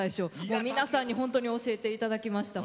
皆さんに教えていただきました。